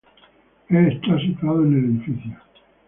El está situado en el edificio.